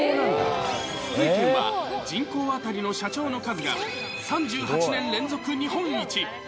福井県は人口当たりの社長の数が、３８年連続日本一。